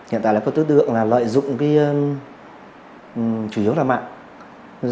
hiện tại là có tư tượng lợi dụng chủ yếu là mạng